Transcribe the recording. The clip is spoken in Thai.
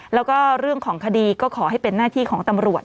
แล้วก็เรื่องของคดีก็ขอให้เป็นหน้าที่ของตำรวจ